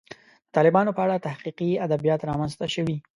د طالبانو په اړه تحقیقي ادبیات رامنځته شوي.